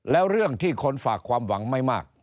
แล้วเรื่องที่คนฝากความหวังไม่มาก